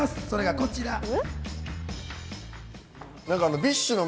それがこちら。